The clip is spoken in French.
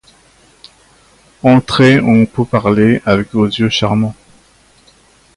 Entraient en pourparlers avec vos yeux charmants